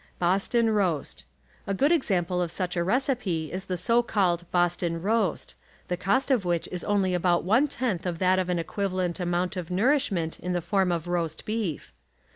BOSTON ROAST — A good example of such a recipe is the so called Boston roast, the cost of which is cmly about one tenth of that of an equivalent amount of nourishment in the form of ^, roast beef.